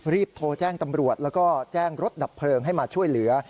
รีบโทรแจ้งตำรวจแล้วก็แจ้งรถดับเพลิงให้มาช่วยเหลือ